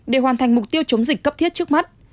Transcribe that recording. để hoàn thành mục tiêu chống dịch cấp thiết trước mắt